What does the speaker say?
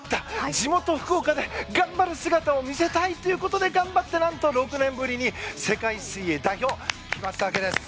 地元・福岡で頑張る姿を見せたいということで頑張ってなんと６年ぶりに世界水泳代表が決まったわけです。